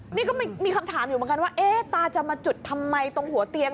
นี่ก็มีคำถามอยู่เหมือนกันว่าเอ๊ะตาจะมาจุดทำไมตรงหัวเตียง